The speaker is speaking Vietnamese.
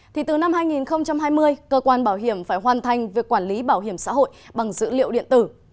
thì từ năm hai nghìn hai mươi cơ quan bảo hiểm phải hoàn thành việc quản lý bảo hiểm xã hội bằng dữ liệu điện tử